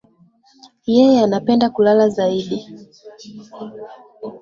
Yeye anapenda kulala zaidi.